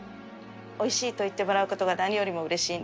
おいしいと言ってもらうことが何よりもうれしいんです。